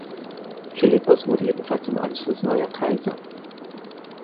Philippus wurde jedenfalls im Anschluss neuer Kaiser.